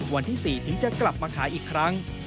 วันที่๔ถึงจะกลับมาขายอีกครั้ง